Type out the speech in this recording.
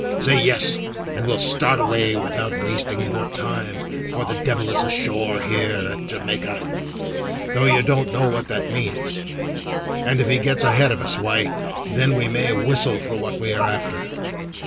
Say 'Yes,' and we'll start away without wasting more time, for the devil is ashore here at Jamaica though you don't know what that means and if he gets ahead of us, why, then we may whistle for what we are after.